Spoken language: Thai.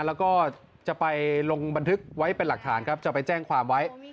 แล้วก็จะไปลงบันทึกไว้เป็นหลักฐานครับจะไปแจ้งความไว้